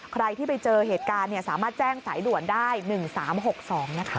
ใครที่ไปเจอเหตุการณ์สามารถแจ้งสายด่วนได้๑๓๖๒นะคะ